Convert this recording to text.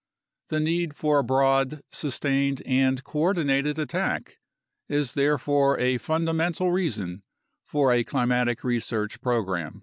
The need for a broad, sustained, and coordinated attack is therefore a fundamental reason for a climatic research program.